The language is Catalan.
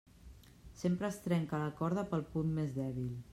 Sempre es trenca la corda pel punt més dèbil.